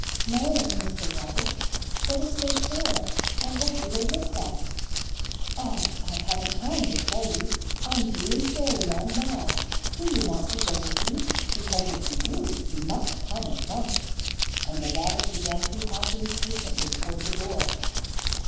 "No, Mistah Rabbit. What is they for, and what do they look like?" "Oh, I haven't time to tell you; I'm due in Fairyland now. Do you want to go with me? Because if you do, you must come at once." And the rabbit began to hop impatiently toward the door.